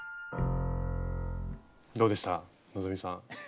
どうでした希さん。